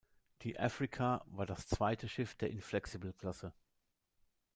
Die "Africa" war das zweite Schiff der "Inflexible"-Klasse.